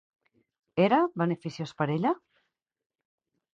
Era beneficiós per a ella?